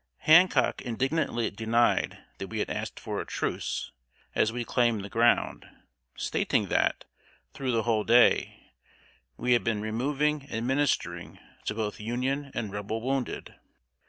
Hancock indignantly denied that we had asked for a truce, as we claimed the ground, stating that, through the whole day, we had been removing and ministering to both Union and Rebel wounded.